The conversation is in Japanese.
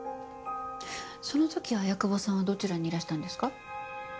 その時綾窪さんはどちらにいらしたんですか？